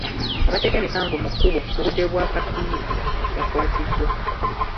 Abateeka emisanvu mu kkubo mu budde bwa kaafiyu bakwatiddwa.